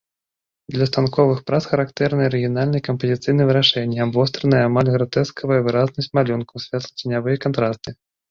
Для станковых прац характэрныя арыгінальныя кампазіцыйныя вырашэнні, абвостраная, амаль гратэскавая выразнасць малюнка, святлоценявыя кантрасты.